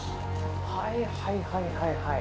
はいはいはいはいはい。